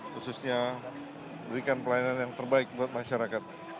khususnya berikan pelayanan yang terbaik buat masyarakat